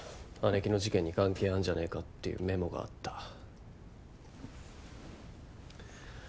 姉貴の事件に関係あんじゃねぇかっていうメモがあった。